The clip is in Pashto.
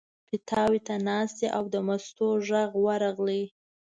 پیتاوي ته ناست دی او د مستو غږ ورغی.